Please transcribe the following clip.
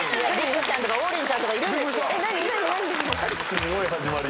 すごい始まり